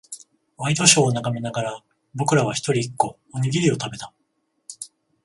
ワイドショーを眺めながら、僕らは一人、一個、おにぎりを食べた。